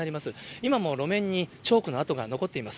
今も路面にチョークの跡が残っています。